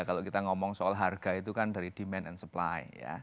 kalau kita ngomong soal harga itu kan dari demand and supply